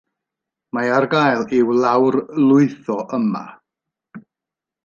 Mae ar gael i'w lawrlwytho yma.